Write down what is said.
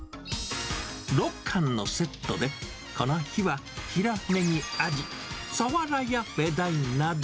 ６貫のセットで、この日はヒラメにアジ、サワラやメダイなど。